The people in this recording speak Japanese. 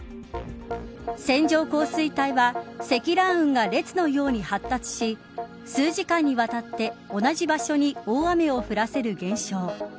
線状降水帯は積乱雲が列のように発達し数時間にわたって同じ場所に大雨を降らせる現象。